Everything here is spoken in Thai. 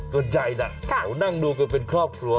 ส่วนใหญ่นะเขานั่งดูกันเป็นครอบครัว